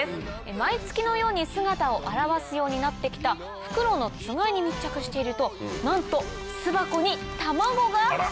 毎月のように姿を現すようになって来たフクロウのつがいに密着しているとなんと巣箱に卵が⁉あらっ。